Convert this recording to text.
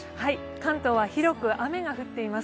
関東は広く雨が降っています。